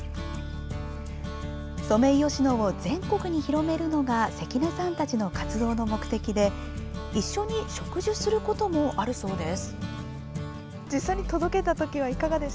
ソメイヨシノを全国に広めるのが関根さんたちの活動の目的で、一緒に植樹することもあるそうです。